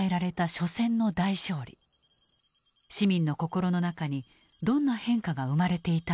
市民の心の中にどんな変化が生まれていたのか。